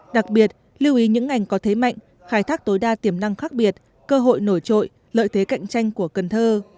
đặc biệt lưu ý những ngành có thế mạnh khai thác tối đa tiềm năng khác biệt cơ hội nổi trội lợi thế cạnh tranh của cần thơ